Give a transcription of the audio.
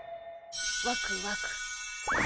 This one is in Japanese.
ワクワク。